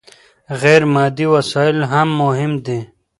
غير مادي وسايل هم مهم دي.